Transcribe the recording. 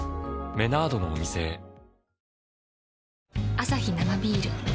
アサヒ生ビール